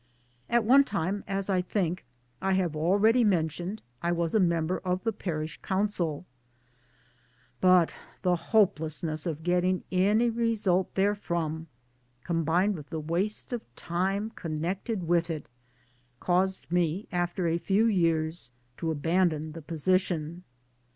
At one time, as I think I have already men tioned, I was a member of the Parish Council, but the hopelessness of getting any result therefrom, combined with the waste of time connected with it, caused me after a few years to abandon the position.